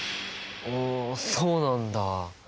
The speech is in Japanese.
おそうなんだ。